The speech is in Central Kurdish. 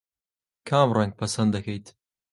کام ڕەنگ پەسەند دەکەیت؟